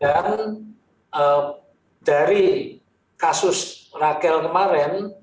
dan dari kasus rakel kemarin